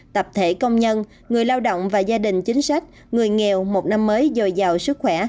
tập thể công nhân người lao động và gia đình chính sách người nghèo một năm mới dồi dào sức khỏe